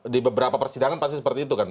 di beberapa persidangan pasti seperti itu kan